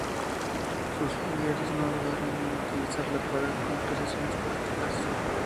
Sus familiares no dudaron en utilizarla para conspiraciones políticas.